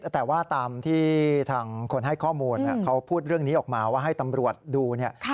แต่ว่าตามที่ทางคนให้ข้อมูลเขาพูดเรื่องนี้ออกมาว่าให้ตำรวจดูเนี่ย